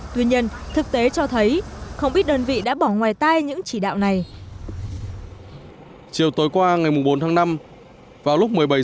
tuy nhiên thực tế cho thấy không biết đơn vị đã bỏ ngoài tay những chỉ đạo